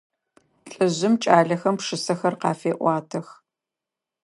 Лӏыжъым кӏалэхэм пшысэхэр къафеӏуатэх.